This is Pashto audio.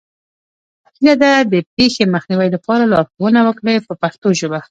هیله ده د پېښې مخنیوي لپاره لارښوونه وکړئ په پښتو ژبه.